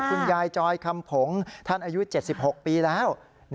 คุณยายจอยคำผงท่านอายุ๗๖ปีแล้ว